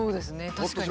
確かに。